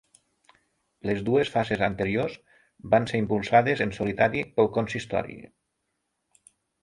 Les dues fases anteriors van ser impulsades en solitari pel consistori.